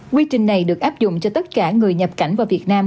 quy trình này được áp dụng cho tất cả người nhập cảnh vào việt nam